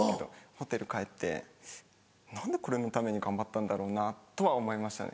ホテル帰って「何でこれのために頑張ったんだろうな」とは思いましたね。